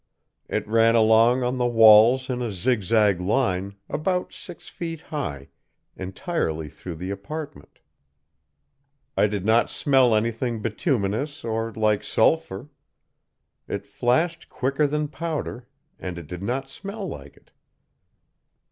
It ran along on the walls in a zigzag line, about six feet high, entirely through the apartment. I did not smell anything bituminous or like sulphur. It flashed quicker than powder, and it did not smell like it.